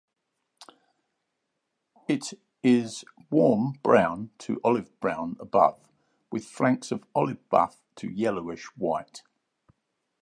It is warm brown to olive-brown above, with flanks of olive-buff to yellowish white.